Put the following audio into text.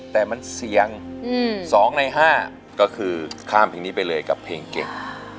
แต่มันเสี่ยง๒ใน๕ก็คือข้ามเพลงนี้ไปเลยกับเพลงเก่ง